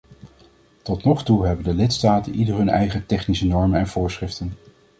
Tot nog toe hebben de lidstaten ieder hun eigen technische normen en voorschriften.